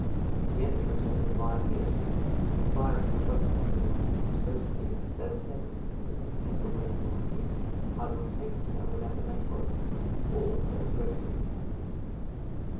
The enemy returned the fire fiercely, and the firing from both sides at once became so severe that it was evident the Pennsylvania Volunteers either would take the town without the main body, or that they would greatly need its assistance.